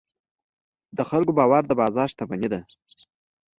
د خلکو باور د بازار شتمني ده.